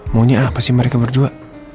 maunya apa sih mereka berdua